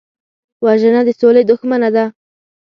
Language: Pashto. وژنه د سولې دښمنه ده